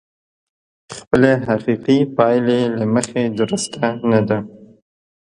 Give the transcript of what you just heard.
خپلې حقيقي پايلې له مخې درسته نه ده.